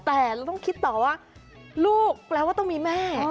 แต่เราต้องคิดต่อว่าลูกแปลว่าต้องมีแม่